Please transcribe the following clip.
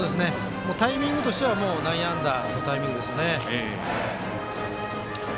タイミングとしては内野安打のタイミングですね。